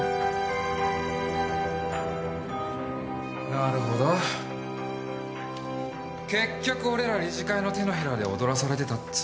なるほど結局俺ら理事会の手のひらで踊らされてたっつうわけか。